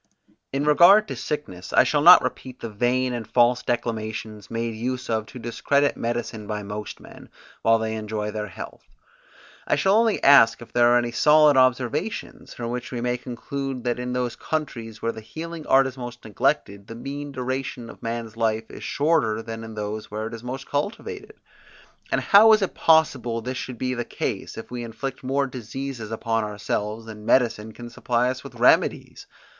In regard to sickness, I shall not repeat the vain and false declamations made use of to discredit medicine by most men, while they enjoy their health; I shall only ask if there are any solid observations from which we may conclude that in those countries where the healing art is most neglected, the mean duration of man's life is shorter than in those where it is most cultivated? And how is it possible this should be the case, if we inflict more diseases upon ourselves than medicine can supply us with remedies!